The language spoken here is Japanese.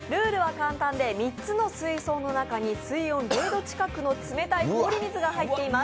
ルールは簡単で３つの水槽の中に水温０度近くの冷たい水が入っています。